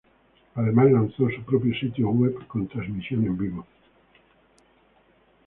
Además, lanzó su propio sitio web con transmisión en vivo.